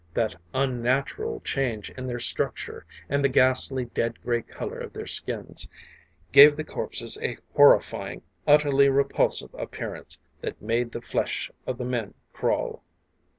That unnatural change in their structure, and the ghastly, dead gray color of their skins gave the corpses a horrifying, utterly repulsive appearance that made the flesh of the men crawl.